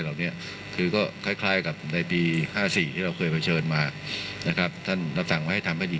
ทรงมีลายพระราชกระแสรับสั่งให้รัฐบาลเร่งช่วยให้เข้มแข็ง